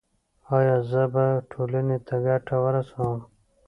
ایا زه به ټولنې ته ګټه ورسوم؟